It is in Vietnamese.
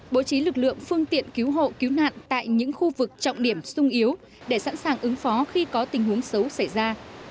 bố trí lực lượng phương tiện cứu hộ cứu nạn tại những khu vực trọng điểm sung yếu để sẵn sàng ứng phó khi có tình huống xấu xảy ra